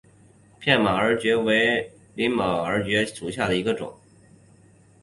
片马耳蕨为鳞毛蕨科耳蕨属下的一个种。